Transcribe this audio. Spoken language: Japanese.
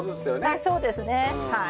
あっそうですねはい。